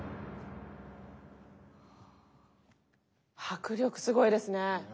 迫力すごいですね。